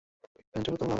প্যান্টের বোতাম লাগান।